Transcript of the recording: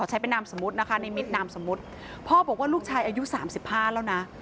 ในมิดนามสมมุตินะคะพ่อบอกว่าลูกชายอายุ๓๕แล้วนะ